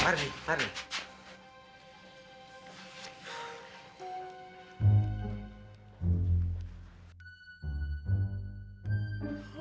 wah romantis sekali